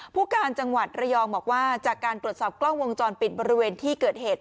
ผู้การจังหวัดระยองบอกว่าจากการตรวจสอบกล้องวงจรปิดบริเวณที่เกิดเหตุ